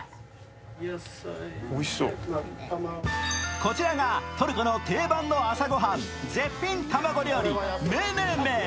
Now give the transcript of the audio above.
こちらがトルコの定番の朝ご飯絶品卵料理、メネメン。